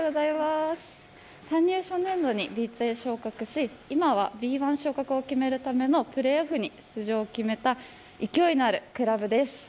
Ｂ２昇格し、今はＢ１昇格を決めるためのプレーオフに出場を決めた勢いのあるクラブです。